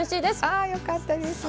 あよかったです。